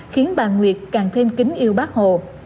khiến bà nguyệt càng thêm kính yêu bác hồ